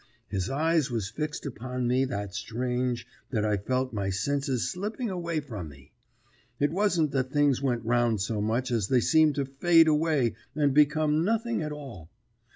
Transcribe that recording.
His eyes was fixed upon me that strange that I felt my senses slipping away from me; it wasn't that things went round so much as they seemed to fade away and become nothing at all.